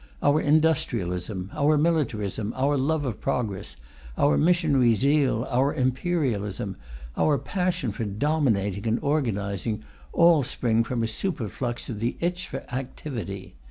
Our industrialism, our militarism, our love of progress, our missionary zeal, our imperialism, our passion for dominating and organizing, all spring from a superflux of the itch for activity.